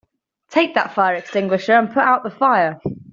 Take that fire extinguisher and put out the fire!